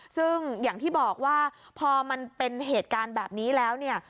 ซึ่งอย่างที่บอกว่าพอมันเป็นเหตุการณ์แบบนี้แล้วเนี่ย